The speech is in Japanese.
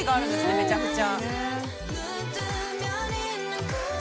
めちゃくちゃ。